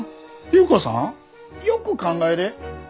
優子さんよく考えれ。